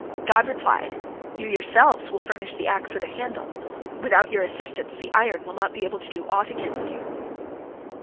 God replied: "You yourselves will furnish the axe with a handle. Without your assistance the iron will not be able to do aught against you."